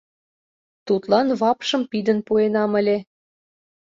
Тудлан вапшым пидын пуэнам ыле.